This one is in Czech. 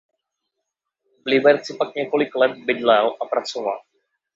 V Liberci pak několik let bydlel a pracoval.